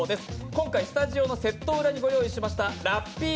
今回スタジオのセット裏にご用意しましたラッピー